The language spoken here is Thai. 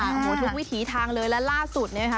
โอ้โหทุกวิถีทางเลยและล่าสุดเนี่ยค่ะ